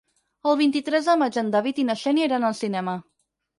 El vint-i-tres de maig en David i na Xènia iran al cinema.